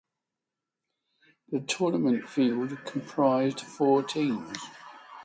The tournament field comprised four teams.